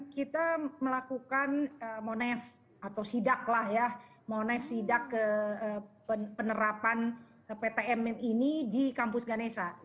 kita melakukan monef atau sidak lah ya monef sidak penerapan ptm ini di kampus ganesa